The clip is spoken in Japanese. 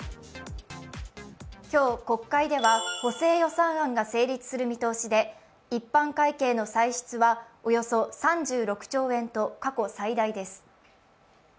今日国会では補正予算案が成立する見通しで一般会計の歳出は、およそ３６兆円と過去最大です。